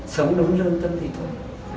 sống đúng lương tâm thì thôi